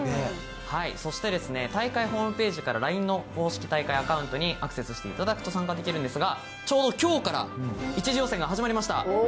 そして大会ホームページからＬＩＮＥの公式大会アカウントにアクセスしていただくと参加できるんですが、ちょうどきょうから１次予選が始まりました。